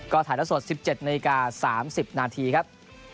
ก็ถ่ายละสด๑๗นาฬิกา๓๐นาทีครับ